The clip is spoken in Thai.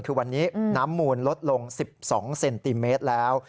คือวันนี้น้ำมูลลดลง๑๒เซนติเมตรแล้ว